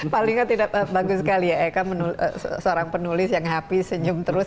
paling tidak bagus sekali ya eka seorang penulis yang happy senyum terus